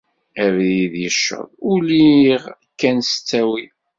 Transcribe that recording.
Abrid yecceḍ, uliɣ kan s ttawil.